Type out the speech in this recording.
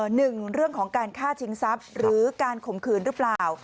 หนึ่งเรื่องของการฆ่าชิงทรัพย์หรือการข่มขืนหรือเปล่า